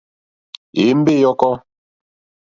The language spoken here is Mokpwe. Èyémbé ǃyɔ́kɔ́.